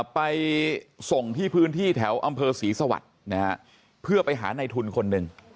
ไปส่งที่พื้นที่แถวอำเภอศรีสวรรค์เพื่อไปหาในทุนคนหนึ่ง